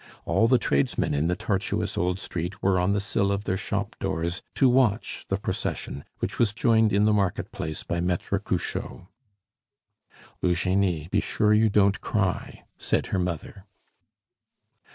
All the tradesmen in the tortuous old street were on the sill of their shop doors to watch the procession, which was joined in the market place by Maitre Cruchot. "Eugenie, be sure you don't cry," said her mother.